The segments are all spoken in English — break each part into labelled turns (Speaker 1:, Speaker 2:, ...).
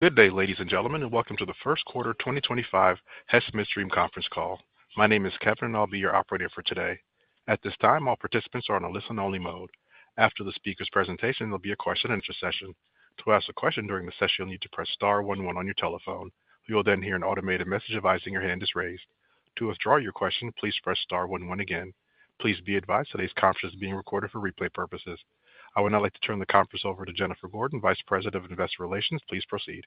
Speaker 1: Good day, ladies and gentlemen, and welcome to the First Quarter 2025 Hess Midstream Conference Call. My name is Kevin, and I'll be your operator for today. At this time, all participants are on a listen-only mode. After the speaker's presentation, there'll be a question-and-answer session. To ask a question during the session, you'll need to press star one one on your telephone. You will then hear an automated message advising your hand is raised. To withdraw your question, please press star one one again. Please be advised today's conference is being recorded for replay purposes. I would now like to turn the conference over to Jennifer Gordon, Vice President of Investor Relations. Please proceed.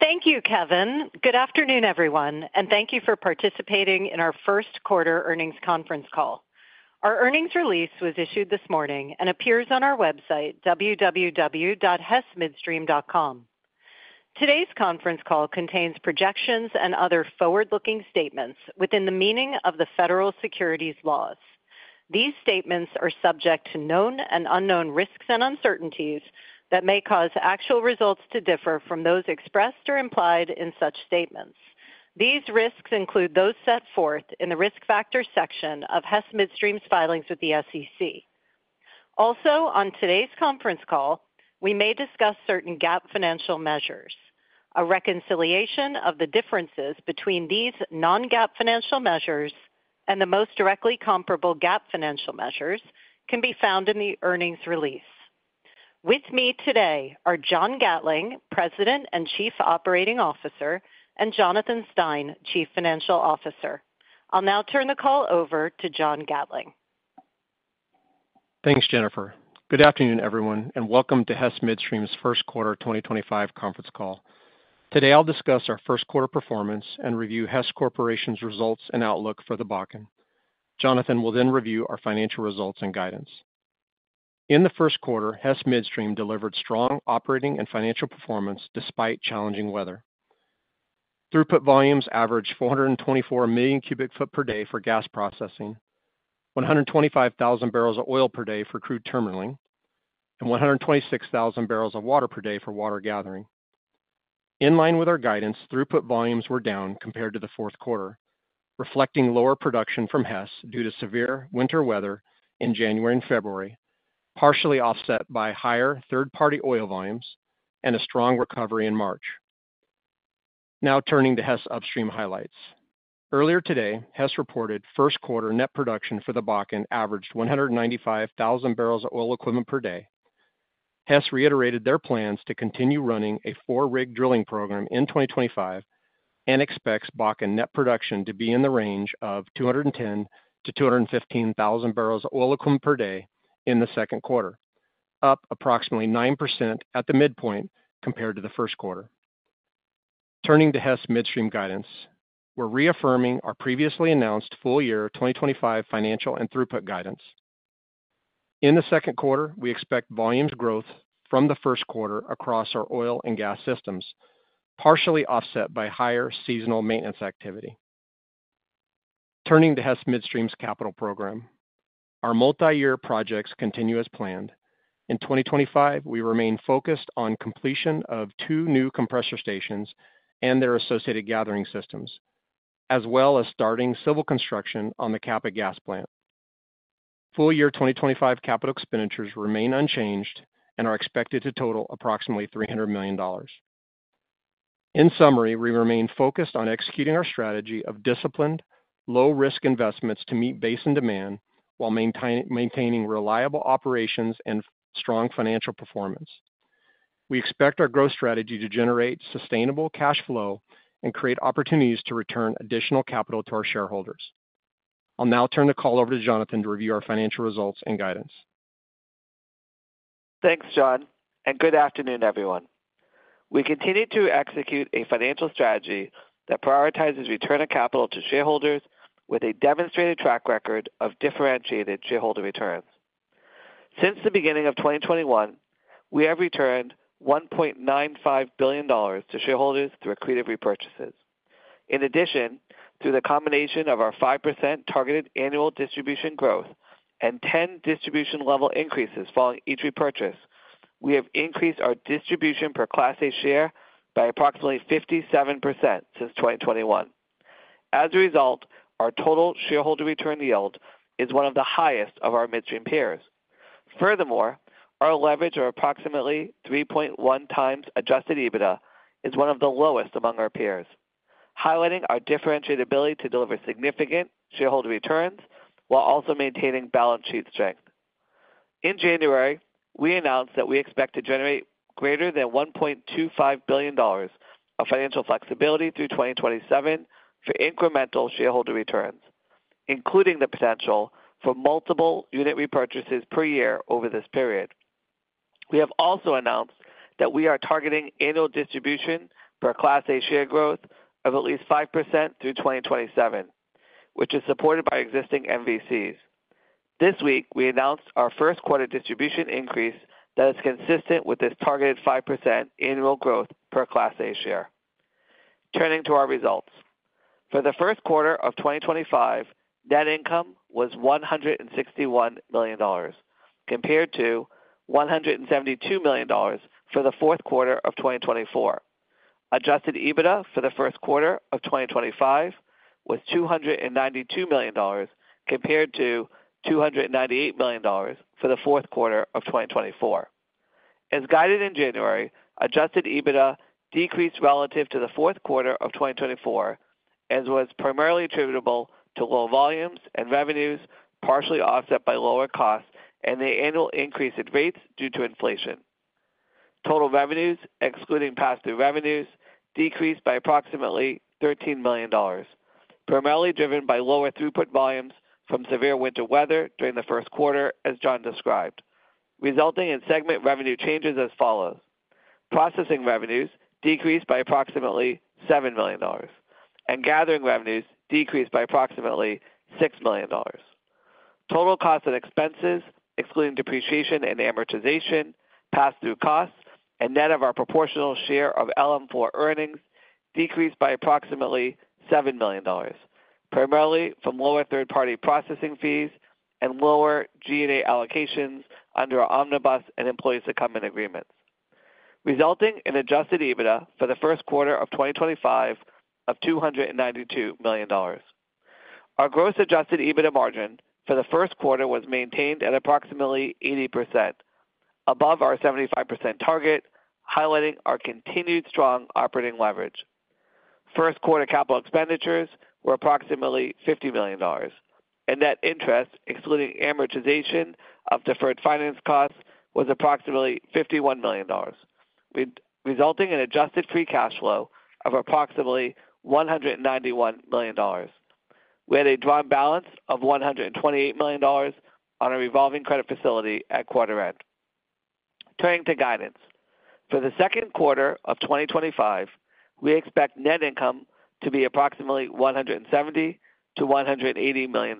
Speaker 2: Thank you, Kevin. Good afternoon, everyone, and thank you for participating in our first quarter earnings conference call. Our earnings release was issued this morning and appears on our website, www.hessmidstream.com. Today's conference call contains projections and other forward-looking statements within the meaning of the federal securities laws. These statements are subject to known and unknown risks and uncertainties that may cause actual results to differ from those expressed or implied in such statements. These risks include those set forth in the risk factor section of Hess Midstream's filings with the SEC. Also, on today's conference call, we may discuss certain GAAP financial measures. A reconciliation of the differences between these non-GAAP financial measures and the most directly comparable GAAP financial measures can be found in the earnings release. With me today are John Gatling, President and Chief Operating Officer, and Jonathan Stein, Chief Financial Officer. I'll now turn the call over to John Gatling.
Speaker 3: Thanks, Jennifer. Good afternoon, everyone, and welcome to Hess Midstream's First Quarter 2025 Conference Call. Today, I'll discuss our first quarter performance and review Hess Corporation's results and outlook for the Bakken. Jonathan will then review our financial results and guidance. In the first quarter, Hess Midstream delivered strong operating and financial performance despite challenging weather. Throughput volumes averaged 424 million cu ft per day for gas processing, 125,000 barrels of oil per day for crude terminaling, and 126,000 barrels of water per day for water gathering. In line with our guidance, throughput volumes were down compared to the fourth quarter, reflecting lower production from Hess due to severe winter weather in January and February, partially offset by higher third-party oil volumes and a strong recovery in March. Now turning to Hess Upstream highlights. Earlier today, Hess reported first quarter net production for the Bakken averaged 195,000 barrels of oil equivalent per day. Hess reiterated their plans to continue running a four-rig drilling program in 2025 and expects Bakken net production to be in the range of 210,000-215,000 barrels of oil equivalent per day in the second quarter, up approximately 9% at the midpoint compared to the first quarter. Turning to Hess Midstream guidance, we're reaffirming our previously announced full year 2025 financial and throughput guidance. In the second quarter, we expect volumes growth from the first quarter across our oil and gas systems, partially offset by higher seasonal maintenance activity. Turning to Hess Midstream's capital program, our multi-year projects continue as planned. In 2025, we remain focused on completion of two new compressor stations and their associated gathering systems, as well as starting civil construction on the Kappa gas plant. Full year 2025 capital expenditures remain unchanged and are expected to total approximately $300 million. In summary, we remain focused on executing our strategy of disciplined, low-risk investments to meet basin demand while maintaining reliable operations and strong financial performance. We expect our growth strategy to generate sustainable cash flow and create opportunities to return additional capital to our shareholders. I'll now turn the call over to Jonathan to review our financial results and guidance.
Speaker 4: Thanks, John, and good afternoon, everyone. We continue to execute a financial strategy that prioritizes return of capital to shareholders with a demonstrated track record of differentiated shareholder returns. Since the beginning of 2021, we have returned $1.95 billion to shareholders through accretive repurchases. In addition, through the combination of our 5% targeted annual distribution growth and 10 distribution level increases following each repurchase, we have increased our distribution per Class A share by approximately 57% since 2021. As a result, our total shareholder return yield is one of the highest of our midstream peers. Furthermore, our leverage of approximately 3.1x Adjusted EBITDA is one of the lowest among our peers, highlighting our differentiated ability to deliver significant shareholder returns while also maintaining balance sheet strength. In January, we announced that we expect to generate greater than $1.25 billion of financial flexibility through 2027 for incremental shareholder returns, including the potential for multiple unit repurchases per year over this period. We have also announced that we are targeting annual distribution for a Class A share growth of at least 5% through 2027, which is supported by existing MVCs. This week, we announced our first quarter distribution increase that is consistent with this targeted 5% annual growth per Class A share. Turning to our results, for the first quarter of 2025, net income was $161 million compared to $172 million for the fourth quarter of 2024. Adjusted EBITDA for the first quarter of 2025 was $292 million compared to $298 million for the fourth quarter of 2024. As guided in January, Adjusted EBITDA decreased relative to the fourth quarter of 2024, as was primarily attributable to low volumes and revenues, partially offset by lower costs and the annual increase in rates due to inflation. Total revenues, excluding pass-through revenues, decreased by approximately $13 million, primarily driven by lower throughput volumes from severe winter weather during the first quarter, as John described, resulting in segment revenue changes as follows: processing revenues decreased by approximately $7 million, and gathering revenues decreased by approximately $6 million. Total costs and expenses, excluding depreciation and amortization, pass-through costs, and net of our proportional share of LM4 earnings decreased by approximately $7 million, primarily from lower third-party processing fees and lower G&A allocations under our omnibus and employee secondment agreements, resulting in adjusted EBITDA for the first quarter of 2025 of $292 million. Our gross adjusted EBITDA margin for the first quarter was maintained at approximately 80%, above our 75% target, highlighting our continued strong operating leverage. First quarter capital expenditures were approximately $50 million, and net interest, excluding amortization of deferred finance costs, was approximately $51 million, resulting in adjusted free cash flow of approximately $191 million. We had a drawn balance of $128 million on our revolving credit facility at quarter end. Turning to guidance, for the second quarter of 2025, we expect net income to be approximately $170 million-$180 million,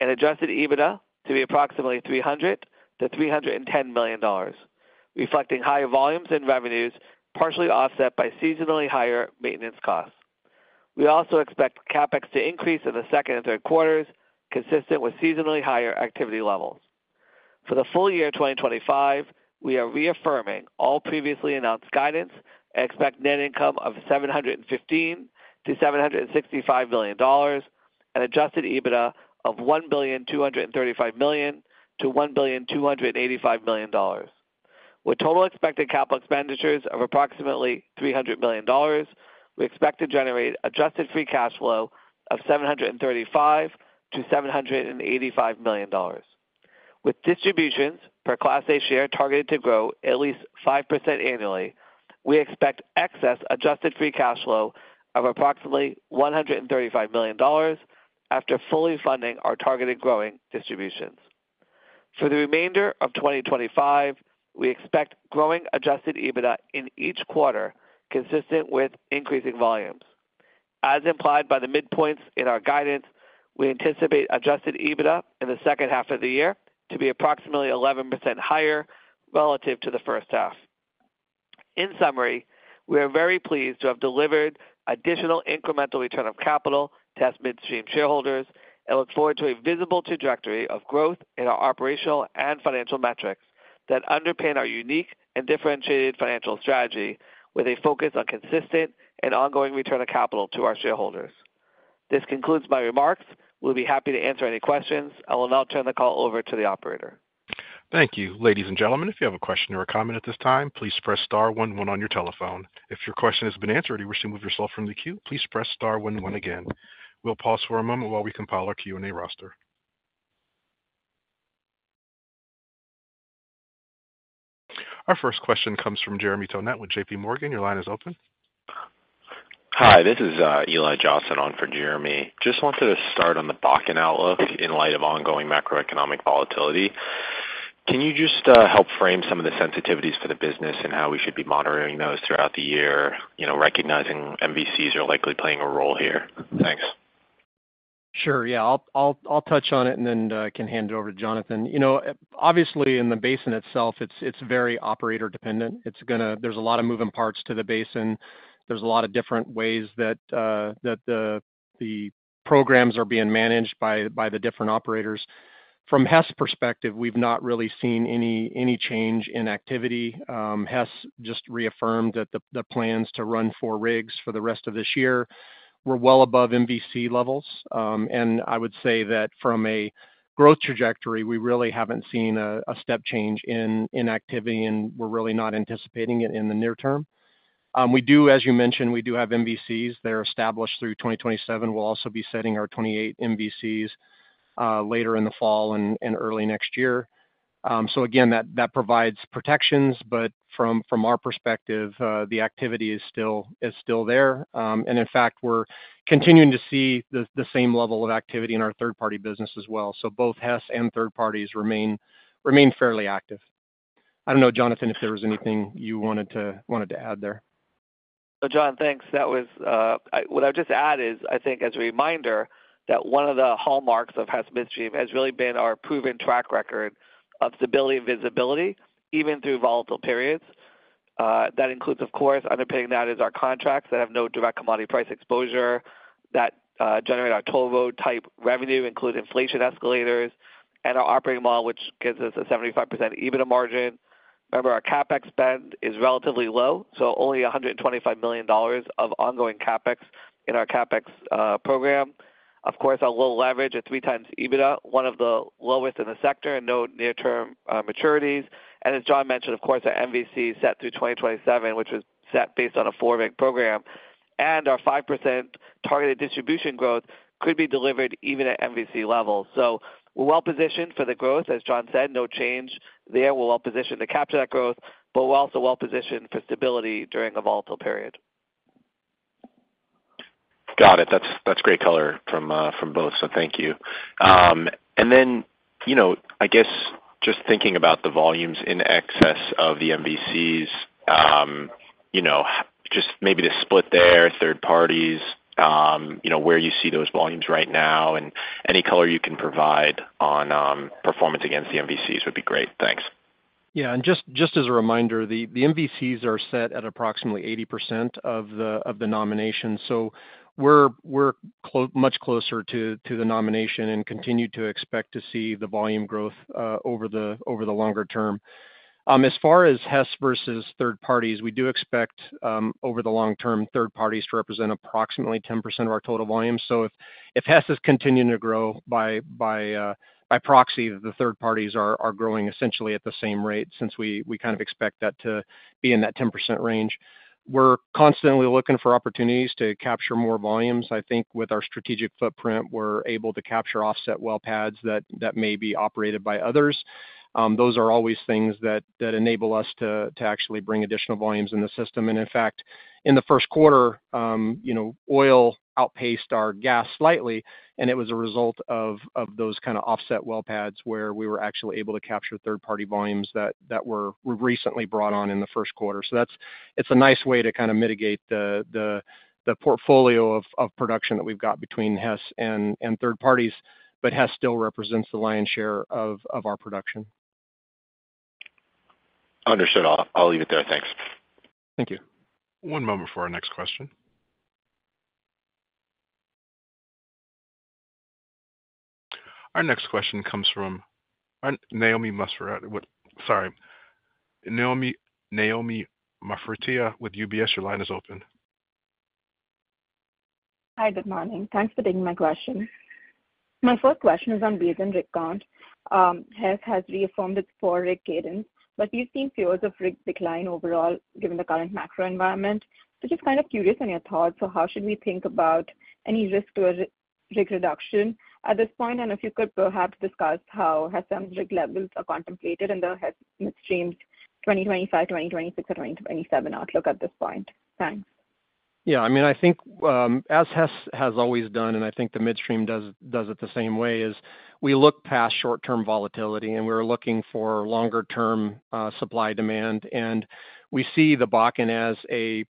Speaker 4: and adjusted EBITDA to be approximately $300-$310 million, reflecting higher volumes and revenues, partially offset by seasonally higher maintenance costs. We also expect CapEx to increase in the second and third quarters, consistent with seasonally higher activity levels. For the full year 2025, we are reaffirming all previously announced guidance and expect net income of $715 million-$765 million and Adjusted EBITDA of $1,235 million-$1,285 million. With total expected capital expenditures of approximately $300 million, we expect to generate adjusted free cash flow of $735 million-$785 million. With distributions per Class A share targeted to grow at least 5% annually, we expect excess adjusted free cash flow of approximately $135 million after fully funding our targeted growing distributions. For the remainder of 2025, we expect growing adjusted EBITDA in each quarter, consistent with increasing volumes. As implied by the midpoints in our guidance, we anticipate adjusted EBITDA in the second half of the year to be approximately 11% higher relative to the first half. In summary, we are very pleased to have delivered additional incremental return of capital to Hess Midstream shareholders and look forward to a visible trajectory of growth in our operational and financial metrics that underpin our unique and differentiated financial strategy with a focus on consistent and ongoing return of capital to our shareholders. This concludes my remarks. We'll be happy to answer any questions. I will now turn the call over to the operator.
Speaker 1: Thank you. Ladies and gentlemen, if you have a question or a comment at this time, please press star one one on your telephone. If your question has been answered or you wish to move yourself from the queue, please press star one one again. We'll pause for a moment while we compile our Q&A roster. Our first question comes from Jeremy Tonet with J.P. Morgan. Your line is open.
Speaker 5: Hi, this is Eli Johnson on for Jeremy. Just wanted to start on the Bakken outlook in light of ongoing macroeconomic volatility. Can you just help frame some of the sensitivities for the business and how we should be monitoring those throughout the year, recognizing MVCs are likely playing a role here? Thanks.
Speaker 3: Sure. Yeah, I'll touch on it and then can hand it over to Jonathan. Obviously, in the basin itself, it's very operator-dependent. There's a lot of moving parts to the basin. There's a lot of different ways that the programs are being managed by the different operators. From Hess's perspective, we've not really seen any change in activity. Hess just reaffirmed that the plans to run four rigs for the rest of this year were well above MVC levels. I would say that from a growth trajectory, we really haven't seen a step change in activity, and we're really not anticipating it in the near term. As you mentioned, we do have MVCs. They're established through 2027. We'll also be setting our 2028 MVCs later in the fall and early next year. That provides protections, but from our perspective, the activity is still there. In fact, we're continuing to see the same level of activity in our third-party business as well. Both Hess and third parties remain fairly active. I don't know, Jonathan, if there was anything you wanted to add there.
Speaker 4: John, thanks. What I would just add is, I think as a reminder that one of the hallmarks of Hess Midstream has really been our proven track record of stability and visibility, even through volatile periods. That includes, of course, underpinning that is our contracts that have no direct commodity price exposure that generate our take-or-pay type revenue, include inflation escalators, and our operating model, which gives us a 75% EBITDA margin. Remember, our CapEx spend is relatively low, so only $125 million of ongoing CapEx in our CapEx program. Of course, our low leverage at three times EBITDA, one of the lowest in the sector and no near-term maturities. As John mentioned, of course, our MVC set through 2027, which was set based on a four-rig program, and our 5% targeted distribution growth could be delivered even at MVC levels. We are well-positioned for the growth, as John said, no change there. We are well-positioned to capture that growth, but we are also well-positioned for stability during a volatile period.
Speaker 5: Got it. That's great color from both, so thank you. I guess just thinking about the volumes in excess of the MVCs, just maybe the split there, third parties, where you see those volumes right now, and any color you can provide on performance against the MVCs would be great. Thanks.
Speaker 3: Yeah. Just as a reminder, the MVCs are set at approximately 80% of the nomination. We are much closer to the nomination and continue to expect to see the volume growth over the longer term. As far as Hess versus third parties, we do expect over the long term, third parties to represent approximately 10% of our total volume. If Hess is continuing to grow, by proxy, the third parties are growing essentially at the same rate since we kind of expect that to be in that 10% range. We are constantly looking for opportunities to capture more volumes. I think with our strategic footprint, we are able to capture offset well pads that may be operated by others. Those are always things that enable us to actually bring additional volumes in the system. In fact, in the first quarter, oil outpaced our gas slightly, and it was a result of those kind of offset well pads where we were actually able to capture third-party volumes that were recently brought on in the first quarter. It is a nice way to kind of mitigate the portfolio of production that we have got between Hess and third parties, but Hess still represents the lion's share of our production.
Speaker 5: Understood. I'll leave it there. Thanks.
Speaker 3: Thank you.
Speaker 1: One moment for our next question. Our next question comes from Naomi Marfatia with UBS. Your line is open.
Speaker 6: Hi, good morning. Thanks for taking my question. My first question is on recent rig count. Hess has reaffirmed its four-rig cadence, but we've seen fears of rig decline overall given the current macro environment. Just kind of curious on your thoughts of how should we think about any risk to rig reduction at this point, and if you could perhaps discuss how Hess's rig levels are contemplated in the Hess Midstream's 2025, 2026, or 2027 outlook at this point. Thanks.
Speaker 3: Yeah. I mean, I think as Hess has always done, and I think the Midstream does it the same way, is we look past short-term volatility, and we're looking for longer-term supply demand. We see the Bakken as a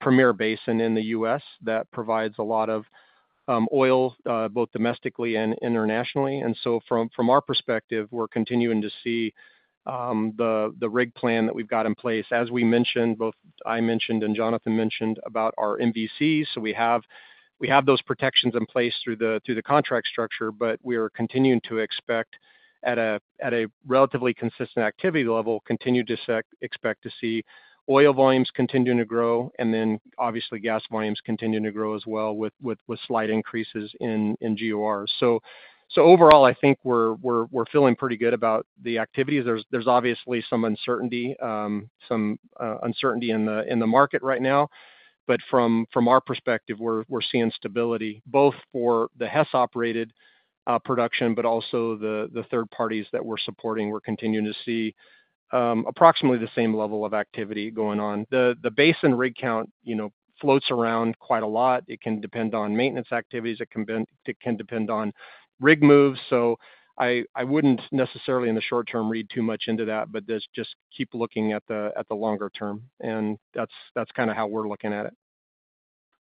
Speaker 3: premier basin in the U.S. that provides a lot of oil, both domestically and internationally. From our perspective, we're continuing to see the rig plan that we've got in place, as we mentioned, both I mentioned and Jonathan mentioned about our MVCs. We have those protections in place through the contract structure, but we are continuing to expect at a relatively consistent activity level, continue to expect to see oil volumes continuing to grow, and obviously gas volumes continuing to grow as well with slight increases in GOR. Overall, I think we're feeling pretty good about the activities. There's obviously some uncertainty in the market right now, but from our perspective, we're seeing stability both for the Hess-operated production, but also the third parties that we're supporting. We're continuing to see approximately the same level of activity going on. The basin rig count floats around quite a lot. It can depend on maintenance activities. It can depend on rig moves. I wouldn't necessarily in the short term read too much into that, but just keep looking at the longer term. That's kind of how we're looking at it.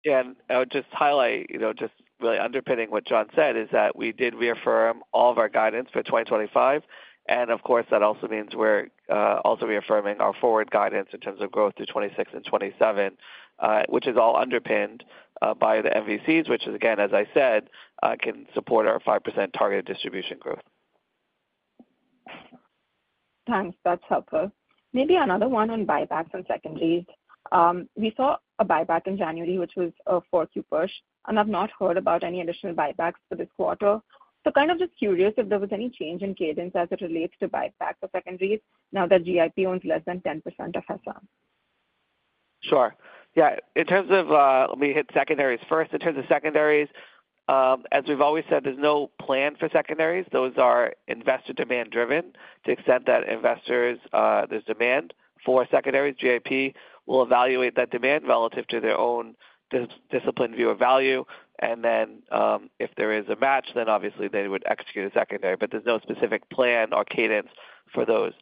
Speaker 4: Yeah. I would just highlight, just really underpinning what John said, is that we did reaffirm all of our guidance for 2025. Of course, that also means we're also reaffirming our forward guidance in terms of growth through 2026 and 2027, which is all underpinned by the MVCs, which is, again, as I said, can support our 5% targeted distribution growth.
Speaker 6: Thanks. That's helpful. Maybe another one on buybacks and secondaries. We saw a buyback in January, which was a 4Q push, and I've not heard about any additional buybacks for this quarter. Just curious if there was any change in cadence as it relates to buybacks or secondaries now that GIP owns less than 10% of Hess.
Speaker 4: Sure. Yeah. In terms of, let me hit secondaries first. In terms of secondaries, as we've always said, there's no plan for secondaries. Those are investor demand-driven to the extent that investors, there's demand for secondaries. GIP will evaluate that demand relative to their own discipline view of value. If there is a match, then obviously they would execute a secondary, but there's no specific plan or cadence for those.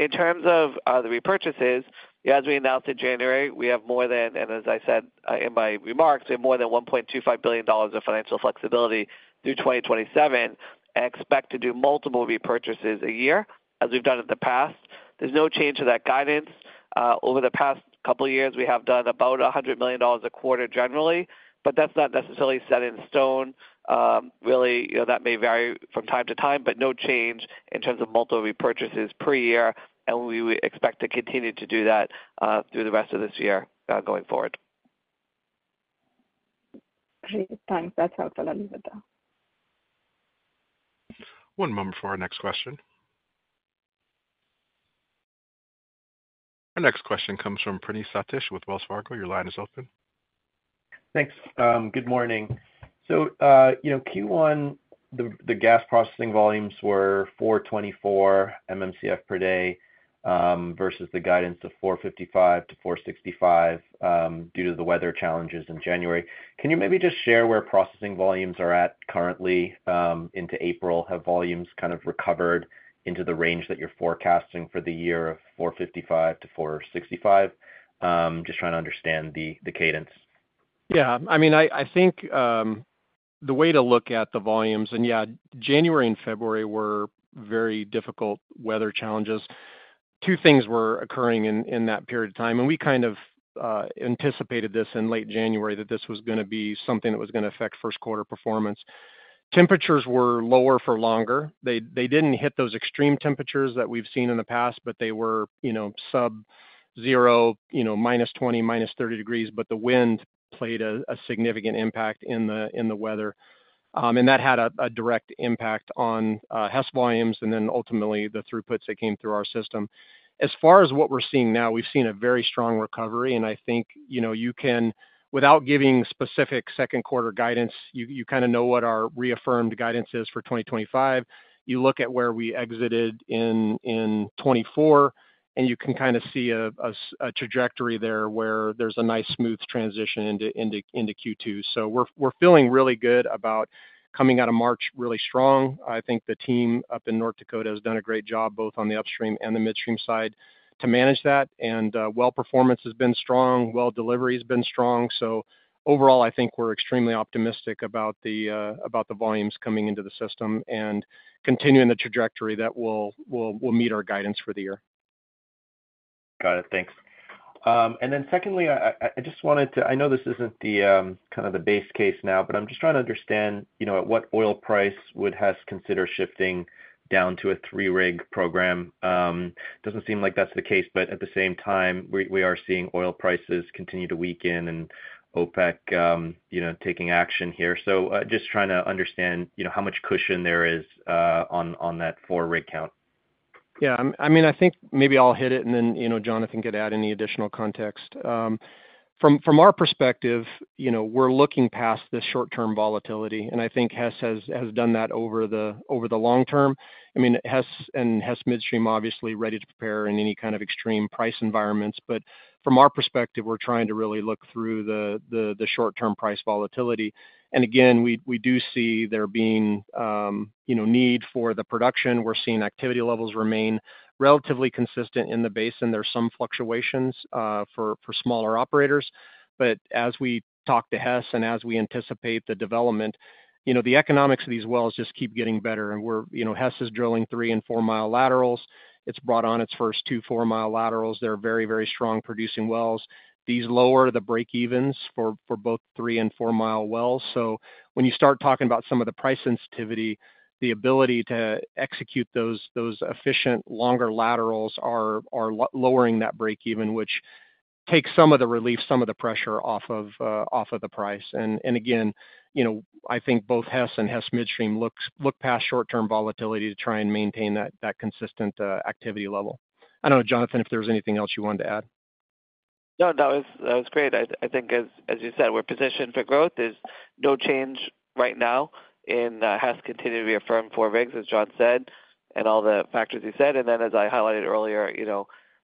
Speaker 4: In terms of the repurchases, as we announced in January, we have more than, and as I said in my remarks, we have more than $1.25 billion of financial flexibility through 2027. I expect to do multiple repurchases a year as we've done in the past. There's no change to that guidance. Over the past couple of years, we have done about $100 million a quarter generally, but that's not necessarily set in stone. Really, that may vary from time to time, but no change in terms of multiple repurchases per year. We expect to continue to do that through the rest of this year going forward.
Speaker 6: Great. Thanks. That's helpful. I'll leave it there.
Speaker 1: One moment for our next question. Our next question comes from Praneeth Satish with Wells Fargo. Your line is open.
Speaker 7: Thanks. Good morning. Q1, the gas processing volumes were 424 MMCF per day versus the guidance of 455-465 due to the weather challenges in January. Can you maybe just share where processing volumes are at currently into April? Have volumes kind of recovered into the range that you're forecasting for the year of 455-465? Just trying to understand the cadence.
Speaker 3: Yeah. I mean, I think the way to look at the volumes, and yeah, January and February were very difficult weather challenges. Two things were occurring in that period of time, and we kind of anticipated this in late January that this was going to be something that was going to affect first quarter performance. Temperatures were lower for longer. They did not hit those extreme temperatures that we have seen in the past, but they were sub-zero, -20, -30 degrees, but the wind played a significant impact in the weather. That had a direct impact on Hess volumes and then ultimately the throughputs that came through our system. As far as what we are seeing now, we have seen a very strong recovery, and I think you can, without giving specific second quarter guidance, you kind of know what our reaffirmed guidance is for 2025. You look at where we exited in 2024, and you can kind of see a trajectory there where there is a nice smooth transition into Q2. We are feeling really good about coming out of March really strong. I think the team up in North Dakota has done a great job both on the upstream and the midstream side to manage that, well performance has been strong, well delivery has been strong. Overall, I think we are extremely optimistic about the volumes coming into the system and continuing the trajectory that will meet our guidance for the year.
Speaker 7: Got it. Thanks. I just wanted to, I know this is not kind of the base case now, but I am just trying to understand at what oil price would Hess consider shifting down to a three-rig program. Does not seem like that is the case, but at the same time, we are seeing oil prices continue to weaken and OPEC taking action here. Just trying to understand how much cushion there is on that four-rig count.
Speaker 3: Yeah. I mean, I think maybe I'll hit it, and then Jonathan could add any additional context. From our perspective, we're looking past the short-term volatility, and I think Hess has done that over the long term. I mean, Hess and Hess Midstream obviously ready to prepare in any kind of extreme price environments, but from our perspective, we're trying to really look through the short-term price volatility. Again, we do see there being need for the production. We're seeing activity levels remain relatively consistent in the basin. There's some fluctuations for smaller operators, but as we talk to Hess and as we anticipate the development, the economics of these wells just keep getting better. Hess is drilling three and four-mile laterals. It's brought on its first two four-mile laterals. They're very, very strong producing wells. These lower the break-evens for both three and four-mile wells. When you start talking about some of the price sensitivity, the ability to execute those efficient longer laterals are lowering that break-even, which takes some of the relief, some of the pressure off of the price. Again, I think both Hess and Hess Midstream look past short-term volatility to try and maintain that consistent activity level. I don't know, Jonathan, if there was anything else you wanted to add.
Speaker 4: No, that was great. I think, as you said, we're positioned for growth. There's no change right now, and Hess continues to reaffirm four rigs, as John said, and all the factors he said. As I highlighted earlier,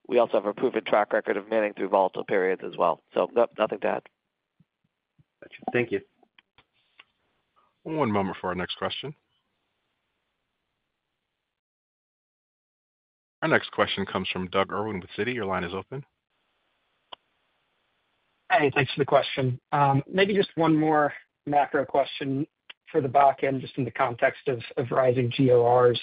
Speaker 4: we also have a proven track record of manning through volatile periods as well. Nothing to add.
Speaker 7: Gotcha. Thank you.
Speaker 1: One moment for our next question. Our next question comes from Doug Irwin with Citi. Your line is open.
Speaker 8: Hi. Thanks for the question. Maybe just one more macro question for the Bakken just in the context of rising GORs.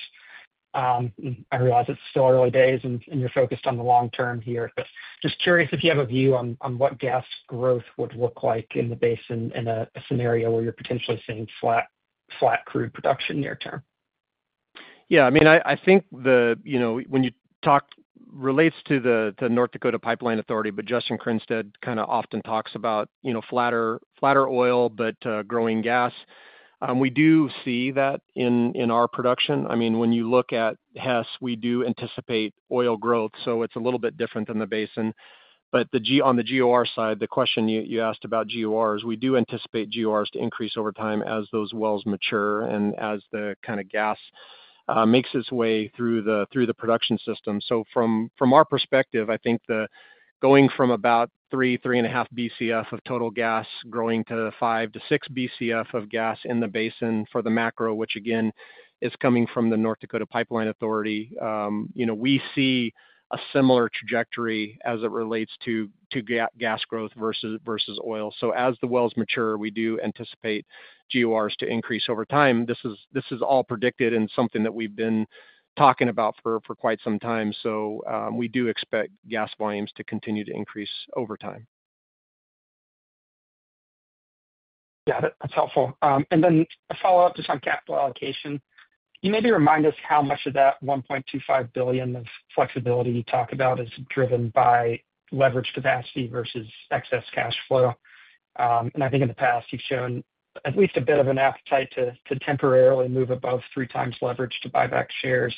Speaker 8: I realize it's still early days and you're focused on the long term here, but just curious if you have a view on what gas growth would look like in the basin in a scenario where you're potentially seeing flat crude production near term.
Speaker 3: Yeah. I mean, I think when you talk, it relates to the North Dakota Pipeline Authority, but Justin Kringstad kind of often talks about flatter oil, but growing gas. We do see that in our production. I mean, when you look at Hess, we do anticipate oil growth. So it's a little bit different than the basin. On the GOR side, the question you asked about GORs, we do anticipate GORs to increase over time as those wells mature and as the kind of gas makes its way through the production system. From our perspective, I think going from about three, three and a half BCF of total gas growing to five to six BCF of gas in the basin for the macro, which again is coming from the North Dakota Pipeline Authority, we see a similar trajectory as it relates to gas growth versus oil. As the wells mature, we do anticipate GORs to increase over time. This is all predicted and something that we've been talking about for quite some time. We do expect gas volumes to continue to increase over time.
Speaker 8: Got it. That's helpful. A follow-up just on capital allocation. You maybe remind us how much of that $1.25 billion of flexibility you talk about is driven by leverage capacity versus excess cash flow. I think in the past, you've shown at least a bit of an appetite to temporarily move above three times leverage to buy back shares.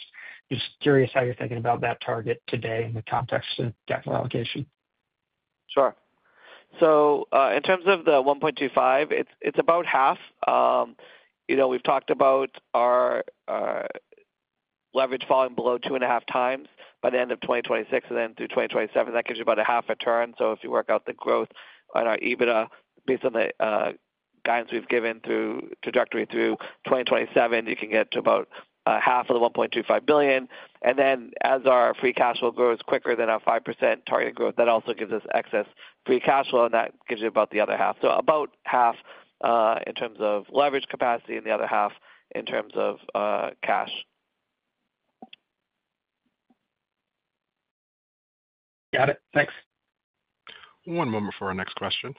Speaker 8: Just curious how you're thinking about that target today in the context of capital allocation.
Speaker 4: Sure. In terms of the 1.25, it is about half. We have talked about our leverage falling below 2.5 times by the end of 2026 and then through 2027. That gives you about half a turn. If you work out the growth on our EBITDA based on the guidance we have given through trajectory through 2027, you can get to about half of the $1.25 billion. As our free cash flow grows quicker than our 5% target growth, that also gives us excess free cash flow, and that gives you about the other half. So about half in terms of leverage capacity and the other half in terms of cash.
Speaker 8: Got it. Thanks.
Speaker 1: One moment for our next question.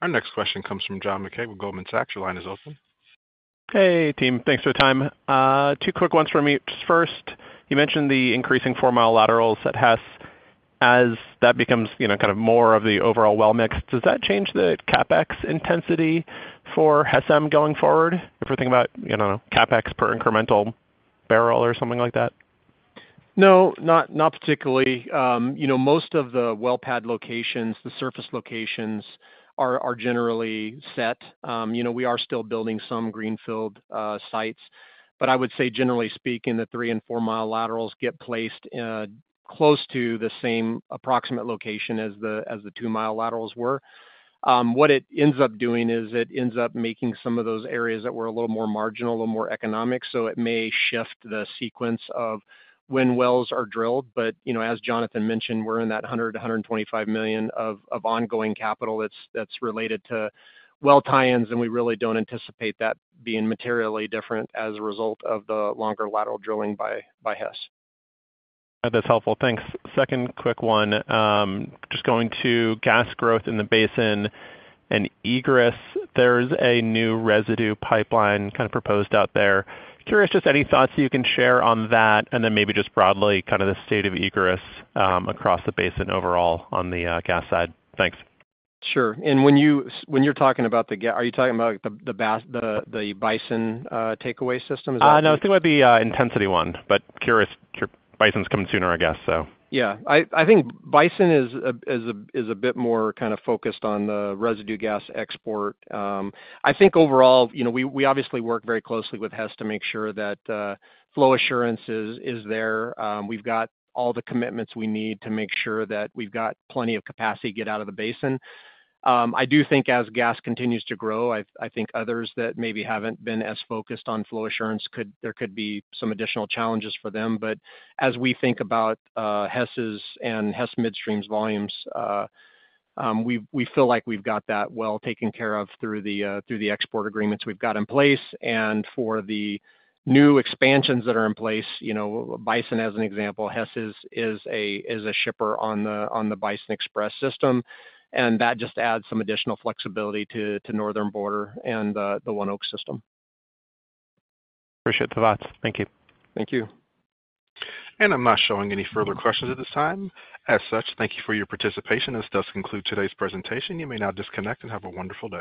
Speaker 1: Our next question comes from John MacKay with Goldman Sachs. Your line is open.
Speaker 9: Hey, team. Thanks for the time. Two quick ones for me. First, you mentioned the increasing four-mile laterals at Hess as that becomes kind of more of the overall well mix. Does that change the CapEx intensity for Hess Midstream going forward? If we're thinking about, I don't know, CapEx per incremental barrel or something like that?
Speaker 3: No, not particularly. Most of the well pad locations, the surface locations are generally set. We are still building some greenfield sites, but I would say, generally speaking, the three- and four-mile laterals get placed close to the same approximate location as the two-mile laterals were. What it ends up doing is it ends up making some of those areas that were a little more marginal, a little more economic. It may shift the sequence of when wells are drilled. As Jonathan mentioned, we're in that $100 million to $125 million of ongoing capital that's related to well tie-ins, and we really don't anticipate that being materially different as a result of the longer lateral drilling by Hess.
Speaker 9: That's helpful. Thanks. Second quick one, just going to gas growth in the basin and Egress. There's a new residue pipeline kind of proposed out there. Curious just any thoughts you can share on that, and then maybe just broadly kind of the state of Egress across the basin overall on the gas side. Thanks.
Speaker 3: Sure. When you're talking about the gas, are you talking about the Bison takeaway system?
Speaker 9: No, I think it would be Intensity One, but curious if Bison's come sooner, I guess.
Speaker 3: Yeah. I think Bison is a bit more kind of focused on the residue gas export. I think overall, we obviously work very closely with Hess to make sure that flow assurance is there. We have got all the commitments we need to make sure that we have got plenty of capacity to get out of the basin. I do think as gas continues to grow, I think others that maybe have not been as focused on flow assurance, there could be some additional challenges for them. As we think about Hess's and Hess Midstream's volumes, we feel like we have got that well taken care of through the export agreements we have got in place. For the new expansions that are in place, Bison as an example, Hess is a shipper on the Bison XPress system, and that just adds some additional flexibility to Northern Border and the ONEOK system.
Speaker 9: Appreciate the thoughts. Thank you.
Speaker 3: Thank you.
Speaker 1: I'm not showing any further questions at this time. As such, thank you for your participation. This does conclude today's presentation. You may now disconnect and have a wonderful day.